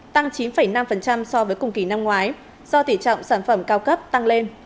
tăng chín năm so với cùng kỳ năm ngoái do tỉ trọng sản phẩm cao cấp tăng lên